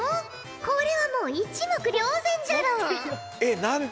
これはもう一目瞭然じゃろう。